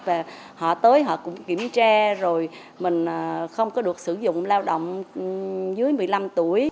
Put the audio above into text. và họ tới họ cũng kiểm tra rồi mình không có được sử dụng lao động dưới một mươi năm tuổi